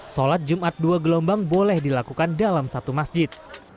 sholat jumat dua gelombang boleh dilakukan dalam satu masjid